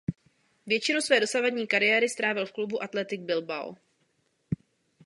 Většinu své dosavadní kariéry strávil v klubu Athletic Bilbao.